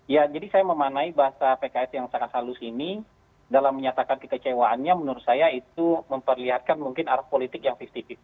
ya jadi saya memanai bahasa pks yang sangat halus ini dalam menyatakan kekecewaannya menurut saya itu memperlihatkan mungkin arah politik yang lima puluh lima puluh